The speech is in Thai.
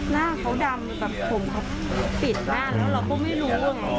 หน้าเขาดำแบบผมเขาปิดหน้าแล้วเราก็ไม่รู้ไง